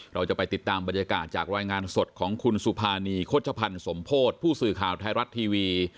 เราจะไปติดตามบรรยากาศจากรายงานสดของคุณสุภานีโฆษภัณฑ์สมโพธิผู้สื่อข่าวไทยรัฐทีวี